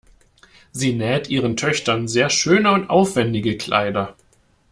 Sie näht ihren Töchtern sehr schöne und aufwendige Kleider.